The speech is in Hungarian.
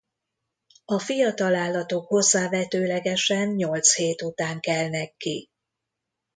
A fiatal állatok hozzávetőlegesen nyolc hét után kelnek ki.